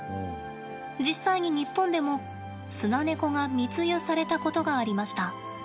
実際に日本でも、スナネコが密輸されたことがありました。